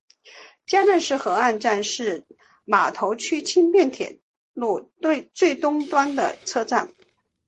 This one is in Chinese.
加量斯河岸站是码头区轻便铁路最东端的车站。